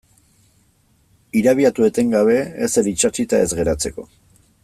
Irabiatu etengabe ezer itsatsita ez geratzeko.